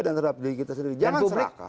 dan terhadap diri kita sendiri jangan seraka